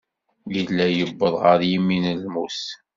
Yella yewweḍ ɣer yimi n lmut.